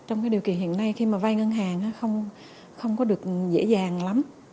trong cái điều kỳ hiện nay khi mà vay ngân hàng không có được dễ dàng lắm